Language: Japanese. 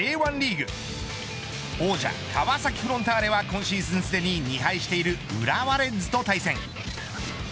リーグ王者、川崎フロンターレは今シーズンすでに２敗している浦和レッズと対戦。